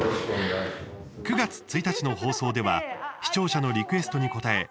９月１日の放送では視聴者のリクエストに応え